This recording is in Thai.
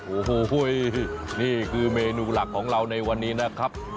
โอ้โหนี่คือเมนูหลักของเราในวันนี้นะครับ